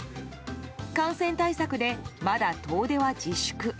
感染対策で、まだ遠出は自粛。